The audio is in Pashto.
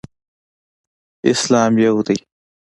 اسلام یو دی.